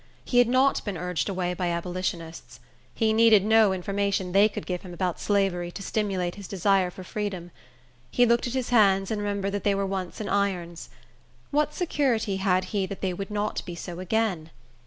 He had not been urged away by abolitionists. He needed no information they could give him about slavery to stimulate his desire for freedom. He looked at his hands, and remembered that they were once in irons. What security had he that they would not be so again?